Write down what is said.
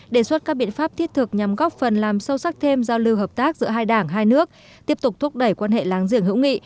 đề xuất các biện pháp thiết thực nhằm góp phần làm sâu sắc thêm giao lưu hợp tác giữa hai đảng hai nước tiếp tục thúc đẩy quan hệ láng giềng hữu nghị